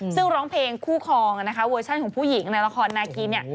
ซึ่งร้องเพลงคู่คลองนะคะเวอร์ชันของผู้หญิงในละครนาคีเนี่ย